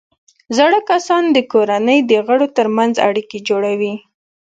زاړه کسان د کورنۍ د غړو ترمنځ اړیکې جوړوي